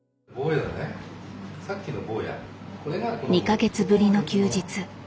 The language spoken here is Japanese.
２か月ぶりの休日。